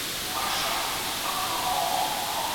انلاين کورسونه به زده کوونکو ته د موادو لاسرسی برابر کړي.